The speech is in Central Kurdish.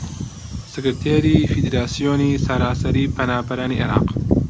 سکرتێری فیدراسیۆنی سەراسەریی پەنابەرانی عێراق